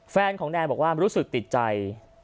แฟนของแนนบอกว่ารู้สึกติดใจ